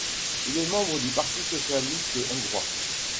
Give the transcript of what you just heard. Il est membre du Parti socialiste hongrois.